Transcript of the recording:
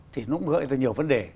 thì nó cũng gợi ra nhiều vấn đề